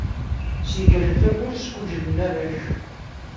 Snegren tamurt, sguǧlen arrac.